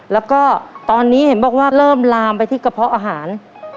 แล้วก็ตอนนี้เห็นบอกว่าเริ่มลามไปที่กระเพาะอาหาร